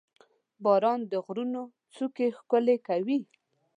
• باران د غرونو څوکې ښکلې کوي.